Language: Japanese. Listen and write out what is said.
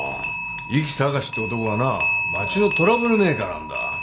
壱岐隆って男はな町のトラブルメーカーなんだ。